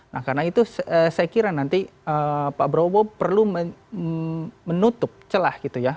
nah karena itu saya kira nanti pak prabowo perlu menutup celah gitu ya